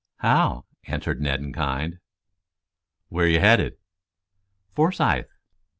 "How," answered Ned in kind. "Where you headed!" "Forsythe."